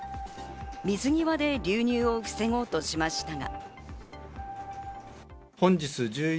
水際で流入を防ごうとしましたが。